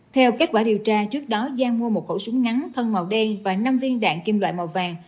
theo kết quả điều tra trước đó giang mua một khẩu súng ngắn thân màu đen và năm viên đạn kim loại màu vàng